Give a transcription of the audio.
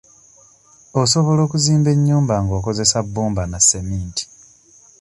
Osobola okuzimba ennyumba nga okozesa bbumba na sementi.